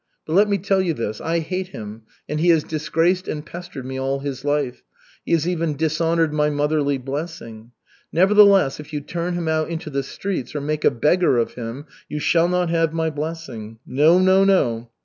But let me tell you this, I hate him and he has disgraced and pestered me all his life, he has even dishonored my motherly blessing. Nevertheless, if you turn him out into the streets or make a beggar of him, you shall not have my blessing. No, no, no.